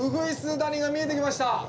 鶯谷が見えてきました。